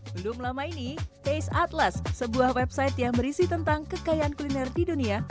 belum lama ini taste atlas sebuah website yang berisi tentang kekayaan kuliner di dunia